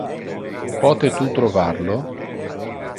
Pote tu trovar lo?